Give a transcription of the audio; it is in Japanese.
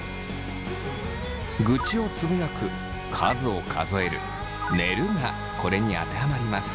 愚痴をつぶやく数を数える寝るがこれに当てはまります。